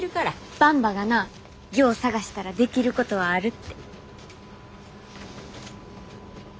ばんばがなよう探したらできることはあるって。